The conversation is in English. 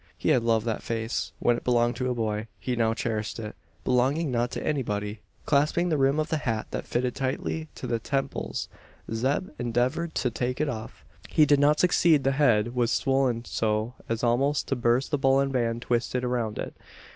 He had loved that face, when it belonged to a boy; he now cherished it, belonging not to anybody! Clasping the rim of the hat that fitted tightly to the temples Zeb endeavoured to take it off. He did not succeed. The head was swollen so as almost to burst the bullion band twisted around it!